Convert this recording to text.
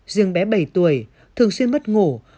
dương bé bảy tuổi thường xuyên mất ngủ